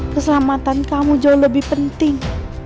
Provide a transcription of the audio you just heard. keselamatan kamu jauh lebih penting